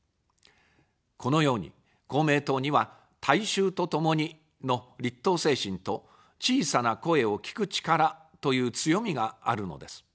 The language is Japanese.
このように、公明党には、大衆とともにの立党精神と小さな声を聴く力という強みがあるのです。